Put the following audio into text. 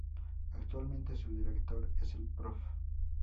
Actualmente su director es el Prof.